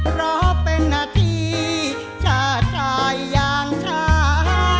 เพราะเป็นนาทีช้าทายยานช้า